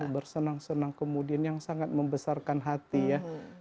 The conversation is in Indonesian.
bersenang senang kemudian yang sangat membesarkan hati ya